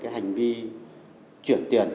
hành vi chuyển tiền